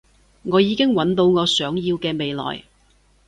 我已經搵到我想要嘅未來